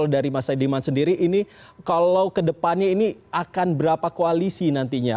dari mas saidiman sendiri ini kalau kedepannya ini akan berapa koalisi nantinya